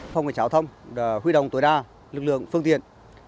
phòng cảnh trào thông đã huy động tối đa lực lượng phương tiện